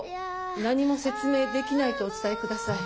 何も説明できないとお伝え下さい。